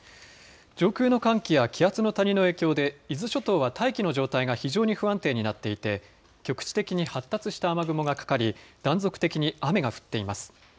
上空の寒気や気圧の谷の影響で、伊豆諸島は大気の状態が非常に不安定になっていて、局地的に発達した雨雲がかかり、断続的に雨が降っています。